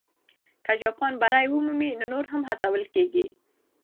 که جاپان بری ومومي، نو نور هم هڅول کېږي.